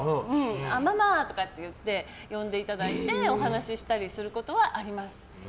ママ！とかって言って呼んでいただいてお話したりすることはあります。